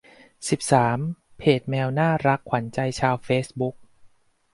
สิบสาม เพจแมวน่ารักขวัญใจชาวเฟซบุ๊ก